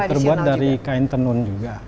terbuat dari kain tenun juga